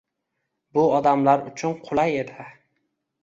Bu odamlar uchun qulay edi